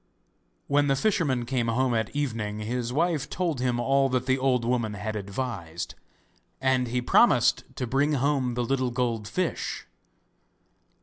When the fisherman came home at evening his wife told him all that the old woman had advised, and he promised to bring home the little gold fish.